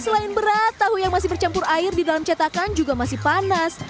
selain berat tahu yang masih bercampur air di dalam cetakan juga masih panas